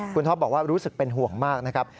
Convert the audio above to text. คุณท็อปบอกว่ารู้สึกเป็นห่วงมากนะครับ